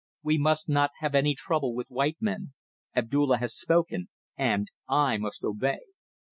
We must not have any trouble with white men. Abdulla has spoken and I must obey."